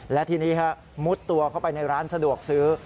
และทีนี้มุดตัวเข้าไปในร้านสะดวกซื้อ